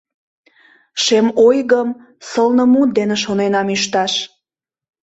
Шем ойгым сылнымут ден шоненам ӱшташ.